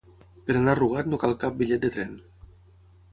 Per anar arrugat no cal cap bitllet de tren